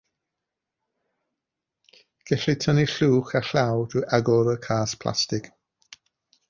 Gellir tynnu'r llwch â llaw drwy agor y cas plastig.